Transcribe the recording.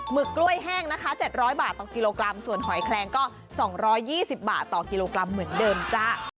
ึกกล้วยแห้งนะคะ๗๐๐บาทต่อกิโลกรัมส่วนหอยแคลงก็๒๒๐บาทต่อกิโลกรัมเหมือนเดิมจ้า